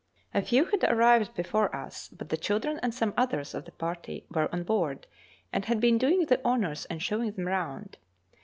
A few had arrived before us, but the children and some others of the party were on board and had been doing the honours and showing them round.